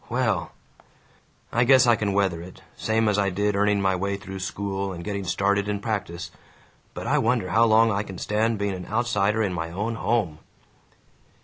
Well "I guess I can weather it, same as I did earning my way through school and getting started in practise. But I wonder how long I can stand being an outsider in my own home?"